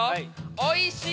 おいしい？